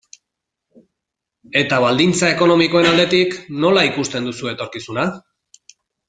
Eta baldintza ekonomikoen aldetik, nola ikusten duzu etorkizuna?